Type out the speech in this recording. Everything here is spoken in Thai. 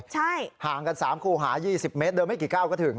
ใช่ห่างกันสามคู่หายี่สิบเมตรเดิมให้กี่เก้าก็ถึง